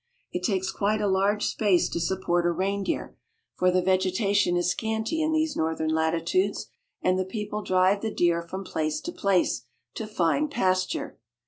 It takes quite a large space to support a reindeer, for the vegetation is scanty in these northern latitudes, and the people drive the deer from place to place to find pasture.